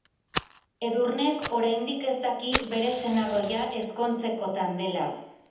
Edurnek oraindik ez daki bere senar ohia ezkontzekotan dela.